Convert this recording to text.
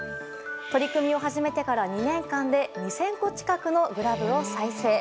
取り組みを始めてから２年間で２０００個近くのグラブを再生。